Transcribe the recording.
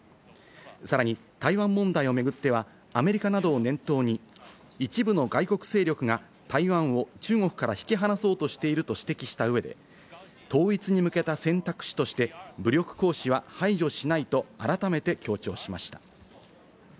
さらに、台湾問題を巡っては、アメリカなどを念頭に一部の外国勢力が、台湾を中国から引き離そうとしていると指摘した上で、統一に向けた選択肢として武力行使は排除しないと改めて強調しました。